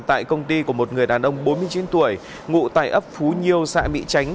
tại công ty của một người đàn ông bốn mươi chín tuổi ngụ tại ấp phú nhiêu xã mỹ tránh